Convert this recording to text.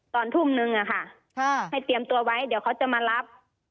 ตอนทุ่มนึงอะค่ะให้เตรียมตัวไว้เดี๋ยวเขาจะมารับ